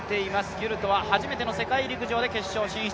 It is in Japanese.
ギュルトは初めての世界陸上で決勝進出。